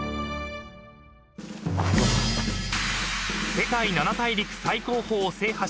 ［世界七大陸最高峰を制覇した］